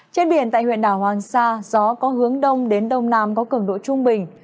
trên biển tại huyện đảo hoàng sa gió có hướng đông đến đông nam có cường độ trung bình